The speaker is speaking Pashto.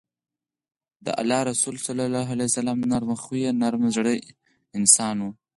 د الله رسول صلی الله عليه وسلّم نرم خويه، نرم زړی انسان وو